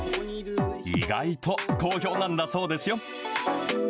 意外と好評なんだそうですよ。